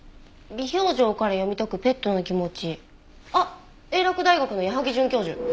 「微表情から読み解くペットの気持ち」あっ英洛大学の矢萩准教授。